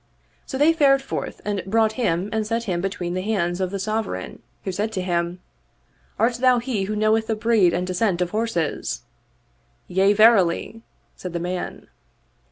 So they fared forth and brought him and set him between the hands of the Sovereign who said to him, "Art thou he who knoweth the breed and descent of horses?" ''Yea verily," said the man.